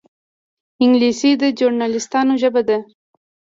انګلیسي د ژورنالېستانو ژبه ده